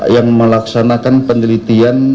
yang melaksanakan penelitian